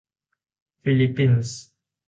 ฟิลิปปินส์